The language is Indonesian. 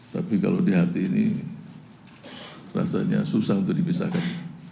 tapi kalau di hati ini rasanya susah untuk dipisahkan